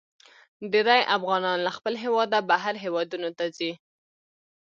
ډیرې افغانان له خپل هیواده بهر هیوادونو ته ځي.